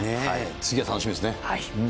次が楽しみですね。